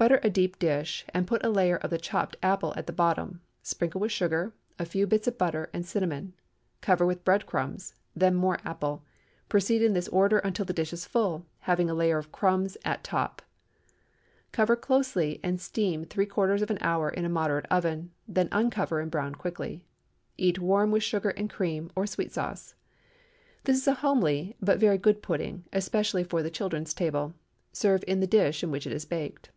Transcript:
Butter a deep dish, and put a layer of the chopped apple at the bottom; sprinkle with sugar, a few bits of butter, and cinnamon; cover with bread crumbs; then more apple. Proceed in this order until the dish is full, having a layer of crumbs at top. Cover closely, and steam three quarters of an hour in a moderate oven; then uncover and brown quickly. Eat warm with sugar and cream, or sweet sauce. This is a homely but very good pudding, especially for the children's table. Serve in the dish in which it is baked.